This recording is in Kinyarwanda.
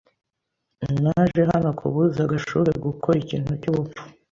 Naje hano kubuza Gashuhe gukora ikintu cyubupfu